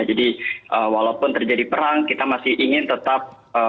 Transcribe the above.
jadi walaupun terjadi perang kita masih ingin tetap